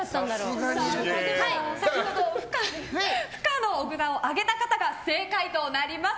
では、不可の札を上げた方が正解となります。